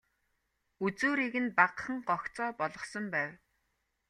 Үзүүрийг нь багахан гогцоо болгосон байв.